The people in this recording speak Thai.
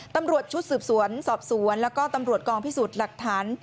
ตำรวจชุดสืบสวนสอบสวนแล้วก็ตำรวจกองพิสูจน์หลักฐาน